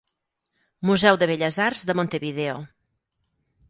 Museu de Belles arts de Montevideo.